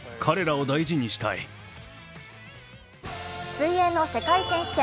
水泳の世界選手権。